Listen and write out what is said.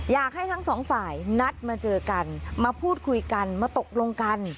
อยากให้ทั้งสองฝ่ายนัดมาเจอกันมาพูดคุยกันมาตกลงกัน